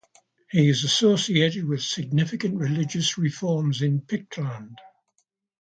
He is associated with significant religious reforms in Pictland.